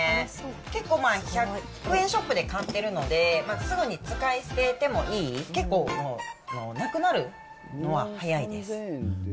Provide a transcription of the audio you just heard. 結構１００円ショップで買ってるので、すぐに使い捨ててもいい、結構、なくなるのは早いです。